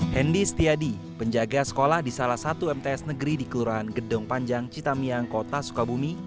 hendy setiadi penjaga sekolah di salah satu mts negeri di kelurahan gedong panjang citamiang kota sukabumi